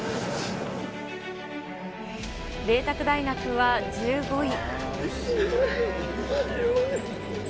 麗澤大学は１５位。